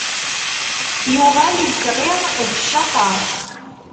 Yuɣal, isɣi d ccateṛ.